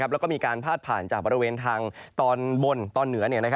แล้วก็มีการพาดผ่านจากบริเวณทางตอนบนตอนเหนือ